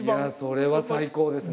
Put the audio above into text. それは最高ですね。